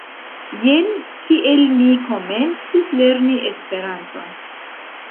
Jen kiel mi komencis lerni Esperanton.